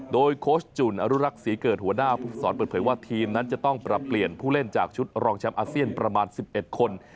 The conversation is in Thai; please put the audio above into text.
โดยโค้ชจุ่นอนุรักษ์ศรีเกิดหัวหน้าภูมิสอนเปิดเผยว่าทีมนั้นจะต้องปรับเปลี่ยนผู้เล่นจากชุดรองแชมป์อาเซียนประมาณ๑๑คน